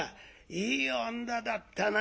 いい女だったな。